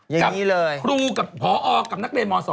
อย่างนี้เลยกับครูกับผอกับนักเรียนม๒